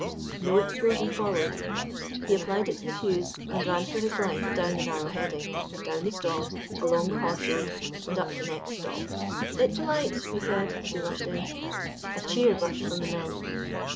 No explosion followed; he applied it to the fuse, and ran for his life down the narrow heading, down the stall, along the horse road, and up the next stall. "It's alight," he said as he rushed in. A cheer burst from the men.